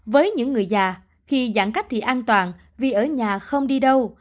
với những người già khi giãn cách thì an toàn vì ở nhà không đi đâu